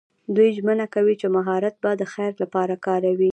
دوی ژمنه کوي چې مهارت به د خیر لپاره کاروي.